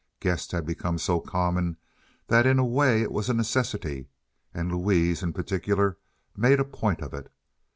Guests had become so common that in a way it was a necessity, and Louise, in particular, made a point of it.